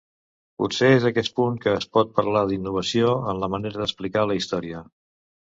Potser és aquest punt que es pot parlar d'innovació, en la manera d'explicar la història.